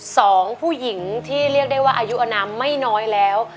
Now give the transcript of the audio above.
สองผู้หญิงที่เรียกได้ว่าอายุอนามไม่น้อยแล้ว